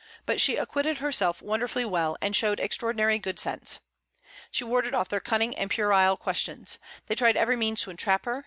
But she acquitted herself wonderfully well, and showed extraordinary good sense. She warded off their cunning and puerile questions. They tried every means to entrap her.